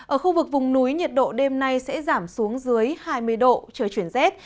ở khu vực vùng núi nhiệt độ đêm nay sẽ giảm xuống dưới hai mươi độ trời chuyển rét